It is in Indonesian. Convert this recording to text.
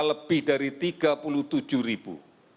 lebih dari tiga puluh tujuh ribu